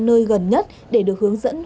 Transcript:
nơi gần nhất để được hướng dẫn hỗ trợ